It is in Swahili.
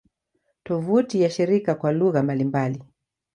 Tovuti ya shirika kwa lugha mbalimbali